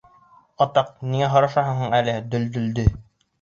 Атаҡ, ниңә һорашаһың әле Дөлдөлдө?